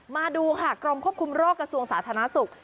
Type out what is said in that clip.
มาดูค่ะกรมควบคุมโรคกระทรวงสาธารณสุข